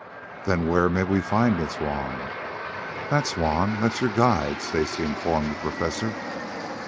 "Then where may we find this Juan "That's Juan that's your guide," Stacy informed the Professor.